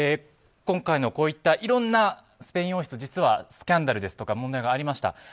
今回のこういったいろんなスペイン王室実は、スキャンダルや問題がありました。